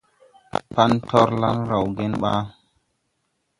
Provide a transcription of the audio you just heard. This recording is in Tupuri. Pan torlan raw gen ba?